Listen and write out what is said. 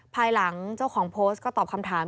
ภายหลังเจ้าของโพสต์ก็ตอบคำถาม